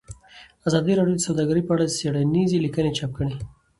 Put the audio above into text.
ازادي راډیو د سوداګري په اړه څېړنیزې لیکنې چاپ کړي.